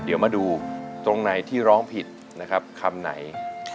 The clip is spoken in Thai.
เดี๋ยวมาดูตรงไหนที่ร้องผิดนะครับคำไหน